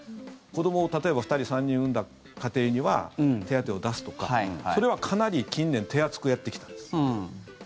子どもを例えば２人、３人産んだ家庭には手当を出すとか、それはかなり近年、手厚くやってきたんです。